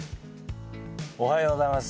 おはようございます。